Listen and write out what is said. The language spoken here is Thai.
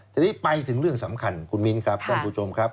ทีนี้ไปถึงเรื่องสำคัญคุณมิ้นครับท่านผู้ชมครับ